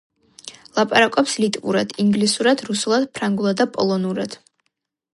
ლაპარაკობს ლიტვურად, ინგლისურად, რუსულად, ფრანგულად და პოლონურად.